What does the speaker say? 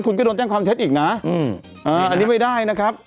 คุณก็โดนแจ้งความเท็จอีกนะอันนี้ไม่ได้นะครับ